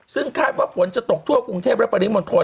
ซึ่งคล้ายผ้าผลจะตกทั่วกรุงเทพฯและบริมันทน